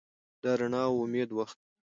دا د رڼا او امید وخت دی.